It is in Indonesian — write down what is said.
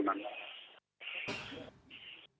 baik pak ketut